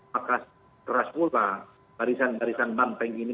maka keras mula barisan barisan bank penggi ini